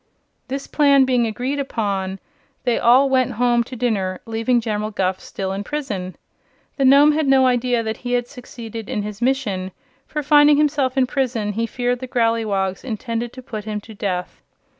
This plan being agreed upon, they all went home to dinner, leaving General Guph still in prison. The Nome had no idea that he had succeeded in his mission, for finding himself in prison he feared the Growleywogs intended to put him to death.